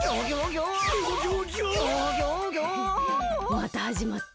またはじまった。